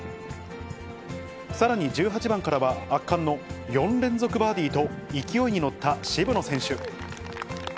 さらに１８番からは、圧巻の４連続バーディーと、勢いに乗った渋野選手。